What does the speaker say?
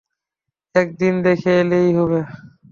এক দিন দেখে এলেই হবে।